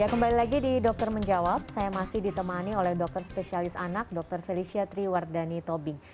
ya kembali lagi di dokter menjawab saya masih ditemani oleh dokter spesialis anak dr felicia triwardani tobing